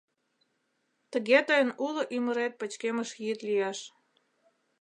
— Тыге тыйын уло ӱмырет пычкемыш йӱд лиеш.